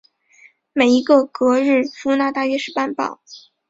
每一个格日夫纳大约是半磅。